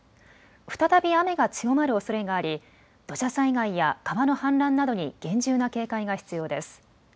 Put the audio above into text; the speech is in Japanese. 再び雨が強まるおそれがあり土砂災害や川の氾濫などに厳重な警戒が必要です。